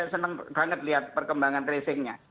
senang banget lihat perkembangan tracingnya